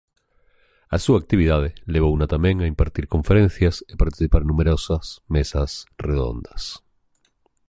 A súa actividade levouna tamén a impartir conferencias e participar en numerosas mesas redondas.